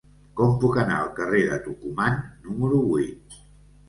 Com puc anar al carrer de Tucumán número vuit?